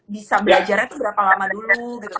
bisa belajarnya tuh berapa lama dulu gitu